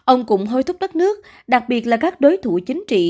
ông cũng hối thúc đất nước đặc biệt là các đối thủ chính trị